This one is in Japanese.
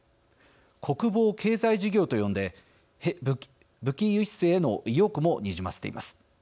国防経済事業と呼んで武器輸出への意欲もにじませています。